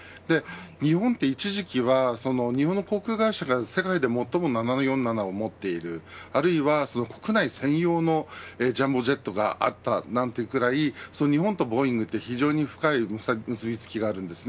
日本って、一時期は日本の航空会社が世界で最も７４７を持っているあるいは国内線用のジャンボジェットがあったなんていうぐらい日本とボーイングは非常に深い結び付きがあります。